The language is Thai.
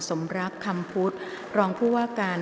สมรับคำพูดรองผู้วกาล